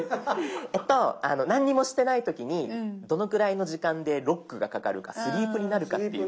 何もしてない時にどのくらいの時間でロックがかかるかスリープになるかっていう。